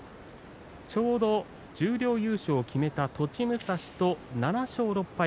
ちょうど十両優勝を決めた栃武蔵と７勝６敗